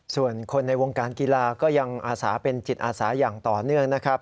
ส่วนคนในวงการกีฬาก็ยังอาสาเป็นจิตอาสาอย่างต่อเนื่องนะครับ